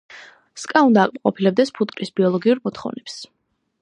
სკა უნდა აკმაყოფილებდეს ფუტკრის ბიოლოგიურ მოთხოვნებს.